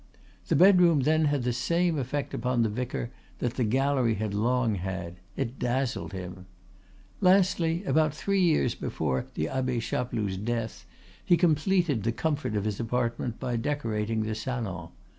The bedroom then had the same effect upon the vicar that the gallery had long had; it dazzled him. Lastly, about three years before the Abbe Chapeloud's death, he completed the comfort of his apartment by decorating the salon.